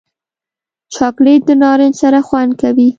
چاکلېټ د نارنج سره خوند کوي.